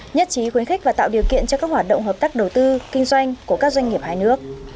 nhất trí khuyến khích và tạo điều kiện cho các hoạt động hợp tác đầu tư kinh doanh của các doanh nghiệp hai nước